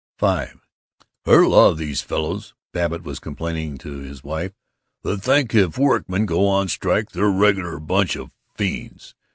V "There's a lot of these fellows," Babbitt was complaining to his wife, "that think if workmen go on strike they're a regular bunch of fiends.